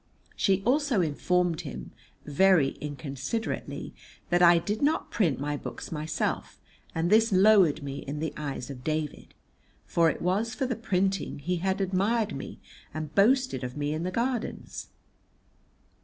She also informed him (very inconsiderately), that I did not print my books myself, and this lowered me in the eyes of David, for it was for the printing he had admired me and boasted of me in the Gardens.